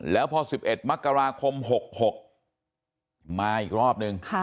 แล้วพอ๑๑มค๖๖มาอีกรอบ๑